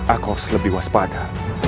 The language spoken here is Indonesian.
aku harus lebih waspada